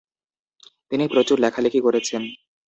তিনি প্রচুর লেখালেখি করেছেন।